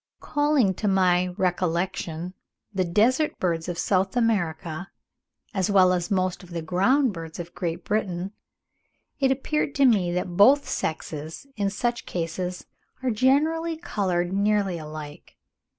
Calling to my recollection the desert birds of South America, as well as most of the ground birds of Great Britain, it appeared to me that both sexes in such cases are generally coloured nearly alike.